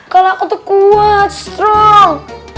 kalau aku tuh kuat strong